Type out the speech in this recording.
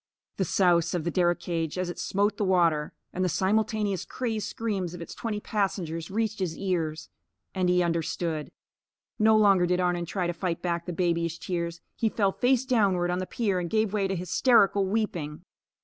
The souse of the derrick cage as it smote the water, and the simultaneous crazed screams of its twenty passengers, reached his ears. And he understood. No longer did Arnon try to fight back the babyish tears. He fell face downward on the pier and gave way to hysterical weeping.